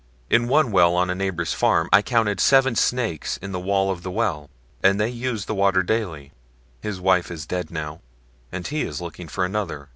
In one well on neighbor's farm I counted seven snakes in the wall of the well, and they used the water daily: his wife dead now and he is looking for another."